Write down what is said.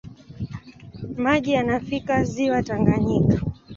Maji yanafikia ziwa Tanganyika.